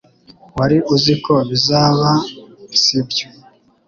Wari uziko bizaba sibyo